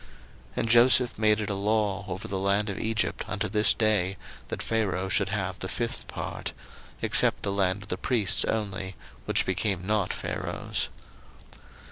01:047:026 And Joseph made it a law over the land of Egypt unto this day, that Pharaoh should have the fifth part, except the land of the priests only, which became not Pharaoh's.